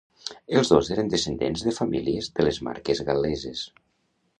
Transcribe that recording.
Els dos eren descendents de famílies de les Marques Gal·leses.